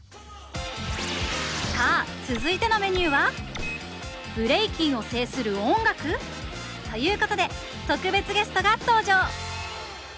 さあ続いてのメニューは「ブレイキンを制する音楽⁉」ということで特別ゲストが登場！